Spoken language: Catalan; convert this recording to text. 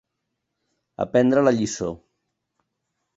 Aprendre la lliçó.